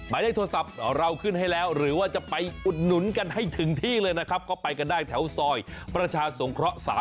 สู้เพื่อลูกสู้เพื่อเมียสู้เพื่อตัวเอง